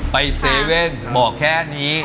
เซเว่นบอกแค่นี้